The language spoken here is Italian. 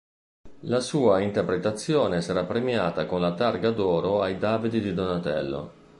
La sua interpretazione sarà premiata con la Targa d'oro ai David di Donatello.